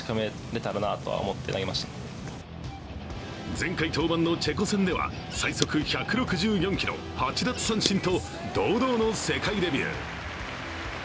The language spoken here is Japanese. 前回登板のチェコ戦では最速１６４キロ、８奪三振と堂々の世界デビュー。